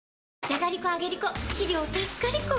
じゃがりこ、あげりこ！